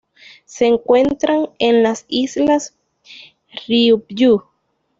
Se encuentran en las Islas Ryukyu.